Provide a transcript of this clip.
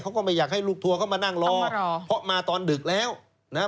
ก็ไม่อยากให้ลูกทัวร์เข้ามานั่งรอเพราะมาตอนดึกแล้วนะฮะ